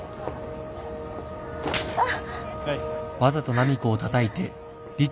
あっ。